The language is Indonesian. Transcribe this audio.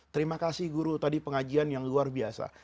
terima kasih guru tadi pengajian yang luar biasa